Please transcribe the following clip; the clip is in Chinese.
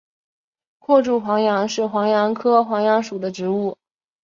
阔柱黄杨是黄杨科黄杨属的植物。